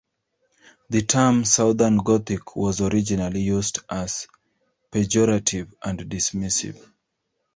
The term "Southern Gothic" was originally used as pejorative and dismissive.